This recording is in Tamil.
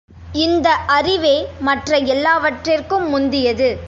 இந்த அறிவே மற்ற எல்லாவற்றிற்கும் முந்தியது.